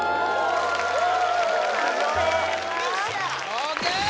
ＯＫ